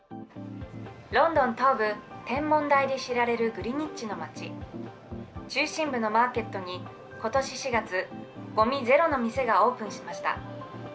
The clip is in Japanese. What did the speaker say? ロンドン東部、天文台で知られるグリニッジの町、中心部のマーケットに、ことし４月、ごみゼロの店がオープンしました。